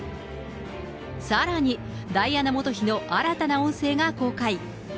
さらに、ダイアナ元妃の新たな音声が公開。